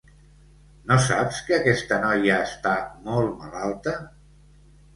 No saps que aquesta noia està molt malalta?